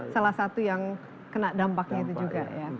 salah satu yang kena dampaknya itu juga ya